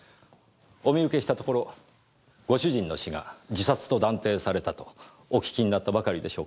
お見受けしたところご主人の死が自殺と断定されたとお聞きになったばかりでしょうか。